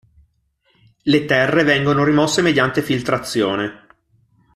Le terre vengono rimosse mediante filtrazione.